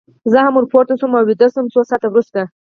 زه هم ور پورته شوم او ویده شوم، څو ساعته وروسته.